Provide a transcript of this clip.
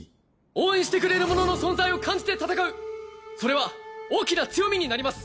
応援してくれる者の存在を感じて戦うそれは大きな強みになります